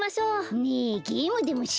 ねえゲームでもしようよ。